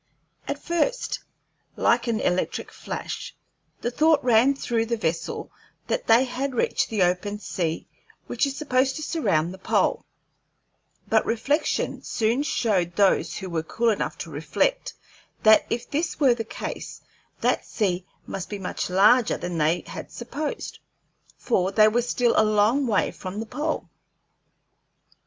At first, like an electric flash, the thought ran through the vessel that they had reached the open sea which is supposed to surround the pole, but reflection soon showed those who were cool enough to reflect that if this were the case that sea must be much larger than they had supposed, for they were still a long way from the pole.